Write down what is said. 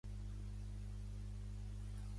Cinta Mata és una artista nascuda a Cambrils.